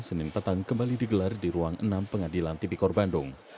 senin petang kembali digelar di ruang enam pengadilan tipikor bandung